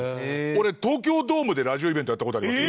俺東京ドームでラジオイベントやった事あります。